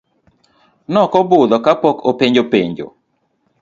Nokobudho ka pok openjo penjo.